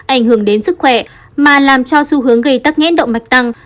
ảnh hưởng đến sức khỏe mà làm cho xu hướng gây tắc nghẽn động mạch tăng